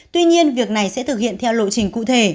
tuy nhiên việc này sẽ thực hiện theo lộ trình cụ thể